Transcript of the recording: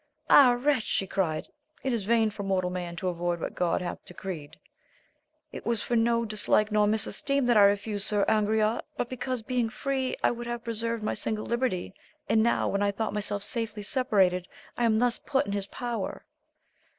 Ah wretch, she cried, it is vain for mortal man to avoid what God hath decreed ! it was for no dislike nor misesteem that I refused Sir Angriote, but because being free I would have preserved my single liberty; and now, when I thought myself safely separated, I am thus put in his power.